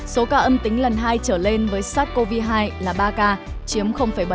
số ca âm tính lần hai trở lên với sars cov hai là ba ca chiếm bảy